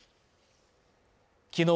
きのう